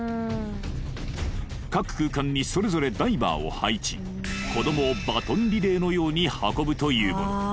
各空間にそれぞれダイバーを配置子どもをバトンリレーのように運ぶというもの